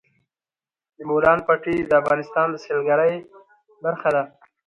د بولان پټي د افغانستان د سیلګرۍ برخه ده.